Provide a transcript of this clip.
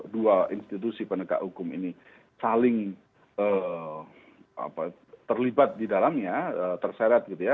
dua institusi penegak hukum ini saling terlibat di dalamnya terseret gitu ya